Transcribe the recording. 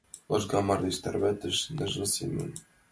Лыжга мардеж тарватыш ныжыл семым.